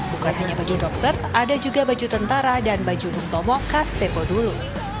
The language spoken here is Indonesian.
bukan hanya baju dokter ada juga baju tentara dan baju bung tomo khas tempo dulu